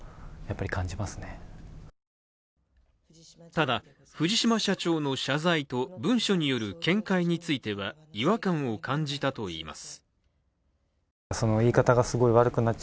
ただ、藤島社長の謝罪と文書による見解については違和感を感じたといいます。